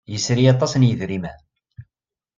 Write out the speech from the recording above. Yesri aṭas n yidrimen?